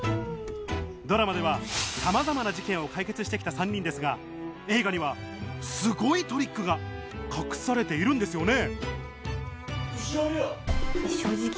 ドラマではさまざまな事件を解決してきた３人ですが映画にはすごいトリックが隠されているんですよね？